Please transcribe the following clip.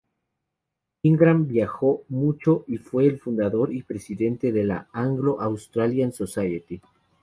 Ingram viajó mucho y fue el fundador y presidente de la "Anglo-Australian Society".